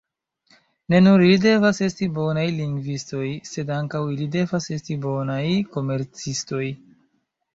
Ne nur ili devas esti bonaj lingvistoj, sed ankaŭ ili devas esti bonaj komercistoj.